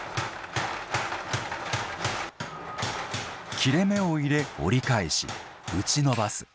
切れ目を入れ折り返し打ち延ばす。